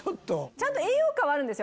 ちゃんと栄養価はあるんですよ